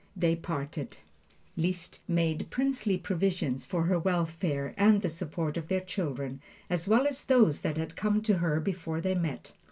They parted. Liszt made princely provision for her welfare, and the support of their children, as well as those that had come to her before they met.